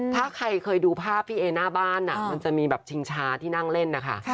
ถ้าใครเคยดูภาพพี่เอหน้าบ้านมันจะมีแบบชิงชาที่นั่งเล่นนะคะ